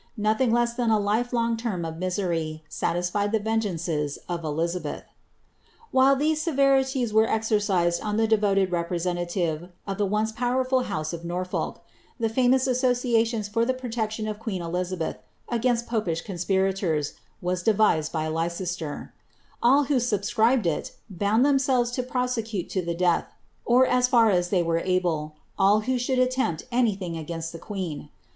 Nothing fe long term of misery satisfied the vengeances of Elizabeth, se severities were exercised on the devoted representative powerful house of Norfolk, the famous association for the f queen Elizabeth against '^ popish conspirators'' was de cester. All who subscribed it, bound themselves to prose death, or as far as they were able, all who should attempt iinst the queen.